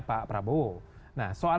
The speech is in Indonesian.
pak prabowo nah soal